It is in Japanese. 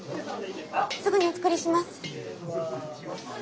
すぐにお作りします。